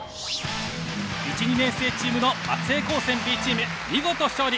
１２年生チームの松江高専Ｂチーム見事勝利。